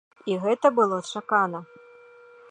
І гэта было чакана.